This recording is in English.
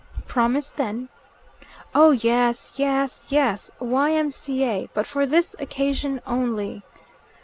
"Promise, then." "Oh, yes, yes, yes. Y.M.C.A. But for this occasion only."